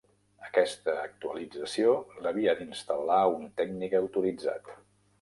Aquesta actualització l'havia d'instal·lar un tècnic autoritzat.